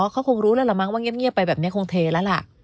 เขาคงรู้แล้วล่ะมั้งว่าเงียบไปแบบนี้คงเทแล้วล่ะ